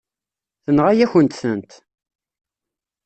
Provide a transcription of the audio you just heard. Tenɣa-yakent-tent.